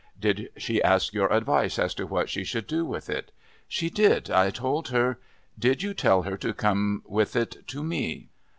"Did she ask your advice as to what she should do with it?" "She did I told her " "Did you tell her to come with it to me?"